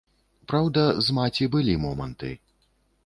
Праўда, з маці былі моманты.